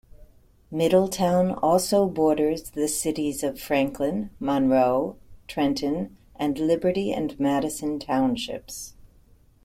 Middletown also borders the cities of Franklin, Monroe, Trenton, and Liberty and Madison Townships.